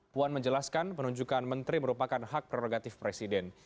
puan menjelaskan penunjukan menteri merupakan hak prerogatif presiden